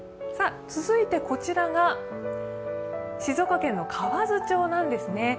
続いてこちらが静岡県の河津町なんですね。